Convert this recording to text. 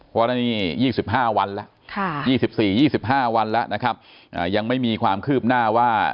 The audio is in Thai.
เพราะวันนี้๒๔๒๕วันแล้วนะครับยังไม่มีความคืบหน้าว่า